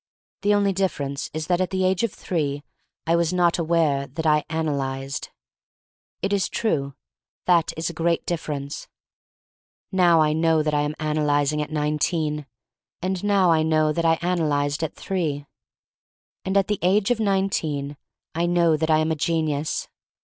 The only difference is that at the age of three I was not aware that I ana lyzed. It is true, that is a great differ ence. Now I know that I am analyzing THE STORY OF MARY MAC LANE 285 at nineteen, and now I know that I analyzed at three. And at the age of nineteen I know that I am a genius.